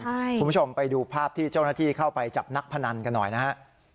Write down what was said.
คุณผู้ชมไปดูภาพที่เจ้าหน้าที่เข้าไปจับนักพนันกันหน่อยนะฮะ